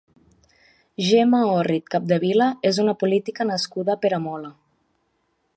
Gemma Orrit Capdevila és una política nascuda a Peramola.